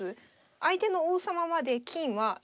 相手の王様まで金は１２３。